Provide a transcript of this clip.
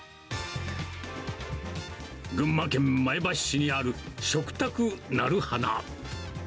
群馬県前橋市にある食匠なる花。